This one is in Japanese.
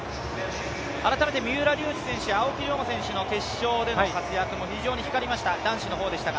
改めて三浦龍司選手、青木涼真選手の決勝での活躍も非常に光りました、男子の方でしたが。